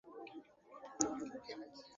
মায়ের সাথে আলাপ, করতে চাইছিলাম।